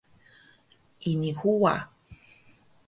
Ini huwa